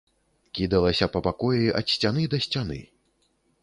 Кідалася па пакоі ад сцяны да сцяны.